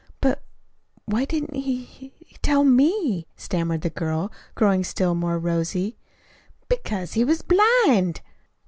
"But why didn't he he tell me?" stammered the girl, growing still more rosy. "Because he was blind."